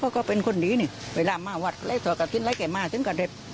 ก็แม่ก็เป็นคนดีนี่เวลามาวัดเล่าเจอกับทิศเล่าแก่มาเจอกับเด็บ